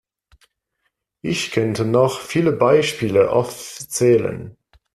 Ich könnte noch viele Beispiele aufzählen.